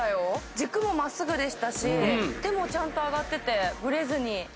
軸も真っすぐでしたし手もちゃんと上がっててブレずに。